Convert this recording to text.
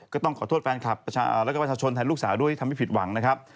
ก็ต้องขอโทษแฟนคลับแล้วก็ประชาชนแทนลูกสาวด้วยทำให้ผิดหวังนะครับ